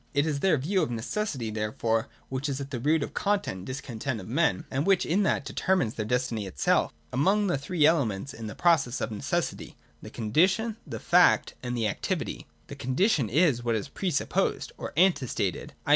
It is their view of necessity, therefore, which is at the root of the content and discontent of men, and which in that way determines their destiny itself 148.] Among the three elements in the process of necessity — the Condition, the Fact, and the Activity — a. The Condition is (a) what is pre supposed or ante stated, i.